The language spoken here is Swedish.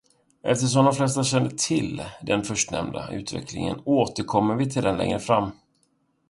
Eftersom de flesta känner till den förstnämnda utvecklingen återkommer vi till den längre fram.